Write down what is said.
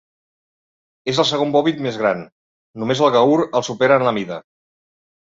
És el segon bòvid més gran, només el gaur el supera en la mida.